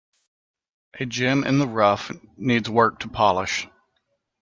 A gem in the rough needs work to polish.